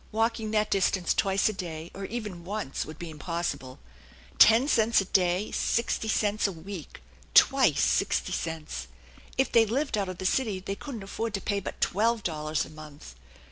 Walking that distance twice a day, or even once, would be impossible. Ten cents a day, sixty cents a week twice sixty cents ! If they lived out of the city, they couldn't afford to pay but twelve dollars a month.